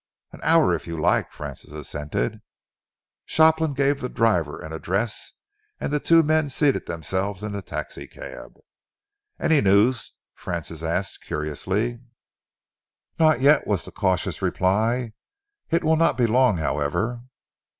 "An hour, if you like," Francis assented. Shopland gave the driver an address and the two men seated themselves in the taxicab. "Any news?" Francis asked curiously. "Not yet," was the cautious reply. "It will not be long, however."